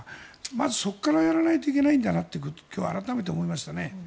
まず、そこからやらないといけないんだということを今日改めて思いました。